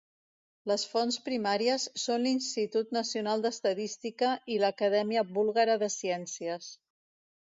Les fonts primàries són l'Institut Nacional d'Estadística i l'Acadèmia Búlgara de Ciències.